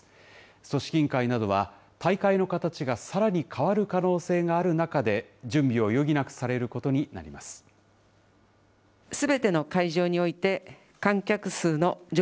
組織委員会などは、大会の形がさらに変わる可能性がある中で、準備を余儀なくされることになります。